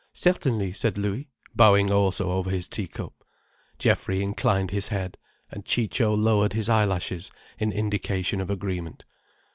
"Certainly," said Louis, bowing also over his tea cup. Geoffrey inclined his head, and Ciccio lowered his eyelashes in indication of agreement.